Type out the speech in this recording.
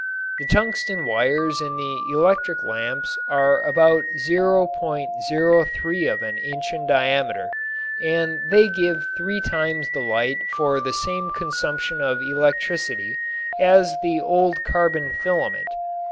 The tungsten wires in the electric lamps are about .03 of an inch in diameter, and they give three times the light for the same consumption of electricity as the old carbon filament.